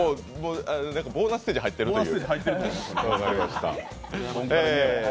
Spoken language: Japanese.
ボーナスステージ入っているという。